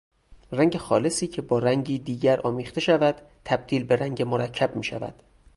رنگ خالصی که بارنگی دیگر آمیخته شود تبدیل به رنگ مرکب میشود.